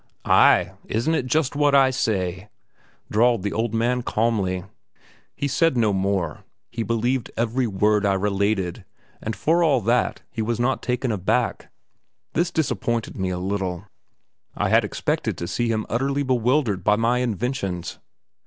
"Ay, isn't it just what I say?" drawled out the man calmly. He said no more, he believed every word I related, and for all that, he was not taken aback. This disappointed me a little; I had expected to see him utterly bewildered by my inventions.